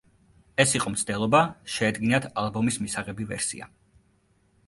ეს იყო მცდელობა, შეედგინათ ალბომის მისაღები ვერსია.